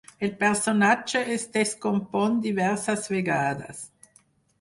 El personatge es descompon diverses vegades.